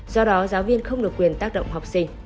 do đó giáo viên không được quyền tác động học sinh